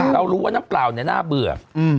เรารู้ว่าน้ำเปล่าเนี่ยน่าเบื่อ